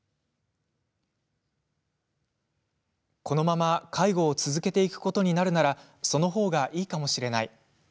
このまま介護を続けていくことになるならそのほうがいいかもしれない。